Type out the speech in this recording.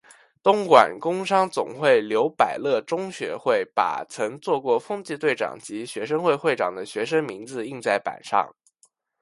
东莞工商总会刘百乐中学会把曾做过风纪队长及学生会会长的学生名字印在板上。